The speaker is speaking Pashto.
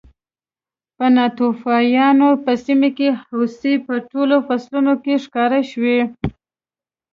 په ناتوفیانو په سیمه کې هوسۍ په ټولو فصلونو کې ښکار شوې